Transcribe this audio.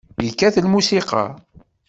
Yekkat lmusiqa.